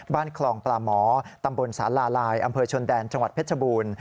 บ้านคลองปลาหมอตำบลสาลาลายอำเภอชนแดนจังหวัดเพชรบูรณ์